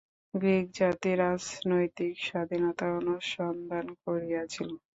গ্রীকজাতি রাজনৈতিক স্বাধীনতা অনুসন্ধান করিয়াছিল।